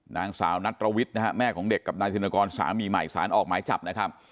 นางสาวนัตรวิทย์นะฮะแม่ของเด็กกับนายธินกรสามีใหม่สารออกหมายจับนะครับ